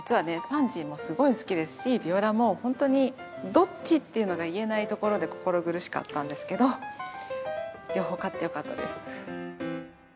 パンジーもすごい好きですしビオラもほんとにどっちっていうのが言えないところで心苦しかったんですけど両方勝ってよかったです。